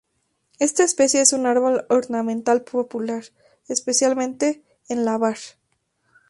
Esta especie es un árbol ornamental popular, especialmente en la var.